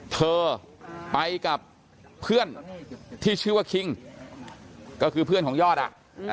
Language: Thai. เธอไปกับเพื่อนที่ชื่อว่าคิงก็คือเพื่อนของยอดอ่ะ